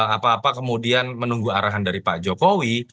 apa apa kemudian menunggu arahan dari pak jokowi